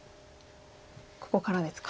ここからですか。